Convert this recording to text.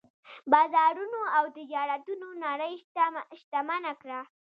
بازارونو او تجارتونو نړۍ شتمنه کړه.